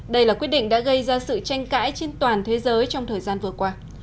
đây là quyết định đã gây ra sự tranh cãi trên toàn thế giới trong thời gian vừa qua